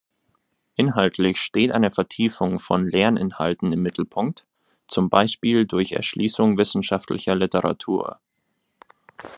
Inhaltlich steht eine Vertiefung von Lerninhalten im Mittelpunkt, zum Beispiel durch Erschließung wissenschaftlicher Literatur.